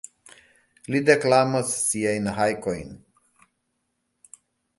Li deklamos siajn hajkojn.